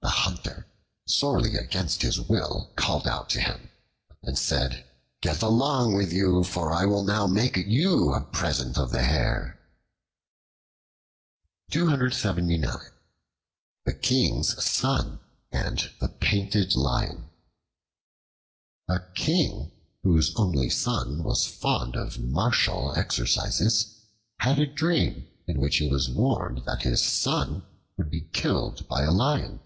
The Hunter, sorely against his will, called out to him and said, "Get along with you! for I will now make you a present of the hare." The King's Son and the Painted Lion A KING, whose only son was fond of martial exercises, had a dream in which he was warned that his son would be killed by a lion.